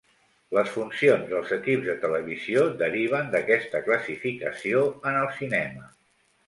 Les funcions dels equips de televisió deriven d'aquesta classificació en el cinema.